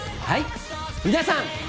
はい皆さん。